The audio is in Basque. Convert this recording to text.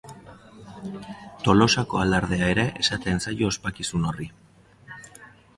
Tolosako Alardea ere esaten zaio ospakizun horri.